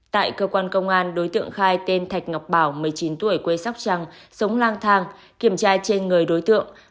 tại cơ quan công an đối tượng khai tên thạch ngọc bảo một mươi chín tuổi quê sóc trăng sống lang thang kiểm tra trên người đối tượng